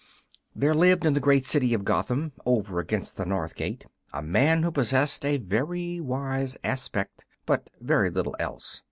THERE lived in the great city of Gotham, over against the north gate, a man who possessed a very wise aspect, but very little else.